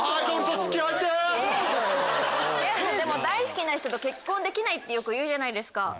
大好きな人と結婚できないってよく言うじゃないですか。